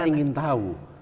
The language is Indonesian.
tidak mau tahu